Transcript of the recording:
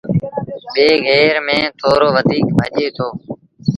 ٻي گير ميݩ ٿورو وڌيڪ ڀڄي دو۔